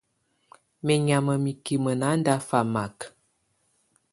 Menyama mikime nándafamak.